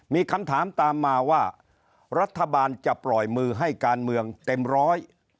มีคำถามตามมาว่ารัฐบาลจะปล่อยมือให้การเมืองเต็มร้อย